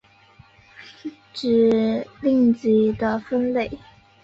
指令集的分类